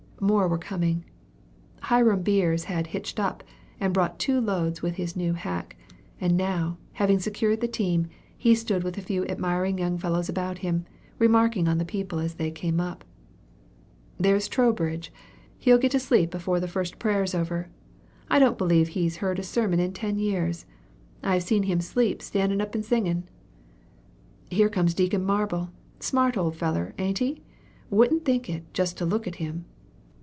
More were coming. Hiram Beers had "hitched up," and brought two loads with his new hack; and now, having secured the team, he stood with a few admiring young fellows about him, remarking on the people as they came up. "There's Trowbridge he'll git asleep afore the first prayer's over. I don't b'lieve he's heerd a sermon in ten years. I've seen him sleep standin' up in singin'. "Here comes Deacon Marble, smart old feller, ain't he? wouldn't think it, jest to look at him!